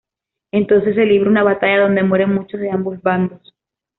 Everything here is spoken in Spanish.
Entonces se libra una batalla donde mueren muchos de ambos bandos.